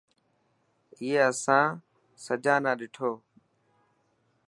اي اسان سجا نا ڏٺو.